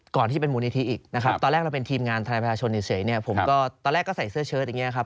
ที่เป็นมูลนิธิอีกนะครับตอนแรกเราเป็นทีมงานทนายประชาชนเฉยเนี่ยผมก็ตอนแรกก็ใส่เสื้อเชิดอย่างนี้ครับ